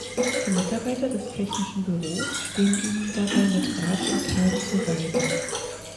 Die Mitarbeiter des Technischen Büros stehen ihnen dabei mit Rat und Tat zur Seite.